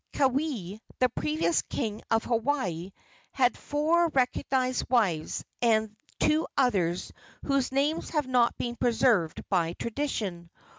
Keawe, the previous king of Hawaii, had four recognized wives, and two others whose names have not been preserved by tradition.